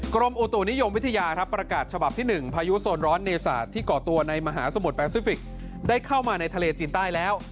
กรมอุตุนิยมวิทยาครับประกาศฉบับที่๑พายุโซนร้อนเนศาสตร์ที่ก่อตัวในมหาสมุทรแปซิฟิกได้เข้ามาในทะเลจีนใต้แล้ว